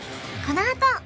このあと！